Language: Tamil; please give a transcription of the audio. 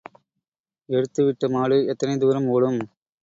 எடுத்து விட்ட மாடு எத்தனை தூரம் ஓடும்?